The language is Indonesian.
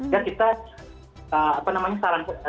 dan kita apa namanya saran